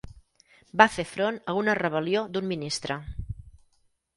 Va fer front a una rebel·lió d'un ministre.